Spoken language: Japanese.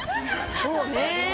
そうね。